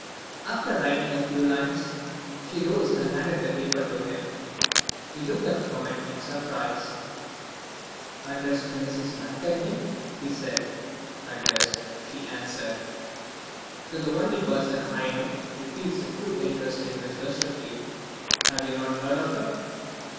After writing a few lines, she rose and handed the paper to him. He looked up from it in surprise. "Addressed to Mrs. MacEdwin!" he said. "Addressed," she answered, "to the only person I know who feels a true interest in Miss Westerfield. Have you not heard of it?"